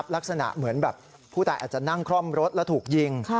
ลักษณะเหมือนแบบผู้ตายอาจจะนั่งคล่อมรถแล้วถูกยิง